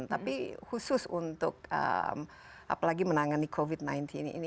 tapi khusus untuk apalagi menangani covid sembilan belas ini